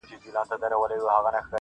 • بس دا یو خوی مي د پښتنو دی -